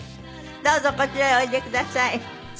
どうぞこちらへおいでください。